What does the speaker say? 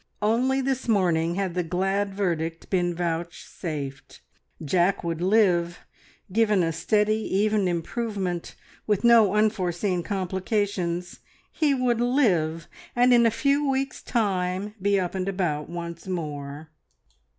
Only this morning had the glad verdict been vouchsafed. Jack would live; given a steady, even improvement, with no unforeseen complications, he would live, and in a few weeks time be up and about once more.